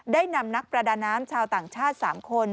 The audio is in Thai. ได้นำนักประดาน้ำชาวต่างชาติ๓คน